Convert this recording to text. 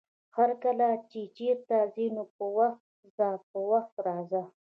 هرکله چې چېرته ځې نو په وخت ځه، په وخت راځه!